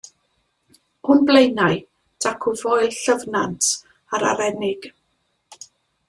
O'n blaenau dacw Foel Llyfnant a'r Arennig.